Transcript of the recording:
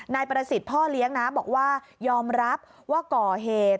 นายประสิทธิ์พ่อเลี้ยงนะบอกว่ายอมรับว่าก่อเหตุ